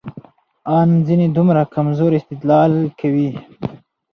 ان ځينې دومره کمزورى استدلال کوي،